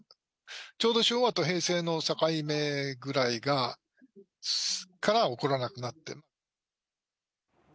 ちょうど昭和と平成の境目ぐらいから起こらなくなってる。